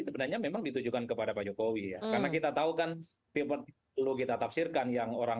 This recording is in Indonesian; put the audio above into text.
sebenarnya memang ditujukan kepada pak jokowi ya karena kita tahu kan perlu kita tafsirkan yang orang